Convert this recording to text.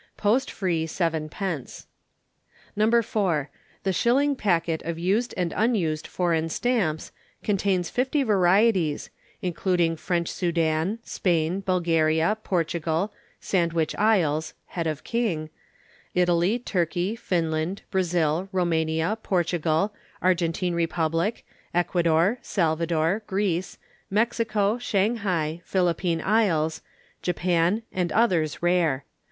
Post free, 7d. No. 4. The Shilling Packet of Used and Unused Foreign Stamps contains 50 varieties, including French Soudan, Spain, Bulgaria, Portugal, Sandwich Isles (head of King), Italy, Turkey, Finland, Brazil, Roumania, Portugal, Argentine Republic, Ecuador, Salvador, Greece, Mexico, Shanghai, Philippine Isles, Japan, and others rare.